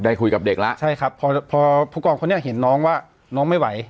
คุยกับเด็กแล้วใช่ครับพอพอผู้กองคนนี้เห็นน้องว่าน้องไม่ไหว